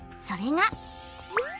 それが。